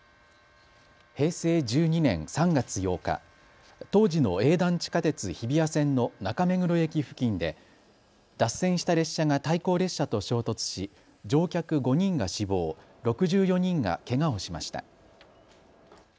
平成１２年３月８日、当時の営団地下鉄日比谷線の中目黒駅付近で脱線した列車が対向列車と衝突し乗客５人が死亡、６４人がけがをしました。